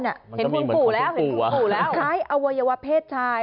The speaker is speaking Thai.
เห็นคุณปู่แล้วคล้ายอวัยวะเพศชาย